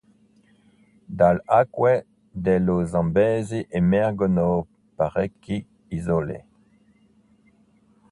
Dalle acque dello Zambesi emergono parecchie isole.